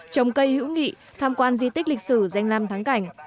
trồng cây hữu nghị tham quan di tích lịch sử danh lam thắng cảnh